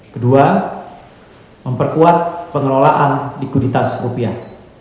kedua memperkuat pengelolaan likuiditas rupiah